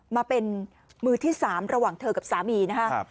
มาเป็นมือที่๓ระหว่างเธอกับสามีนะครับ